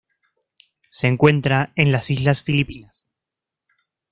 Se encuentra en las Islas Filipinas.